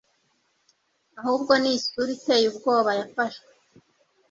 ahubwo ni isura iteye ubwoba yafashwe